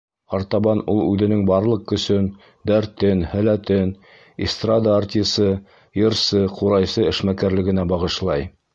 Артабан ул үҙенең барлыҡ көсөн, дәртен, һәләтен эстрада артисы, йырсы, ҡурайсы эшмәкәрлегенә бағышлай.